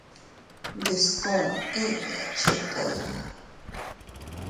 Ndiskuu inña iychikaya.